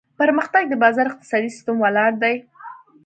پرمختګ د بازار اقتصادي سیستم ولاړ دی.